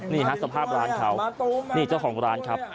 นี่ฮะสภาพร้านเขานี่เจ้าของร้านครับ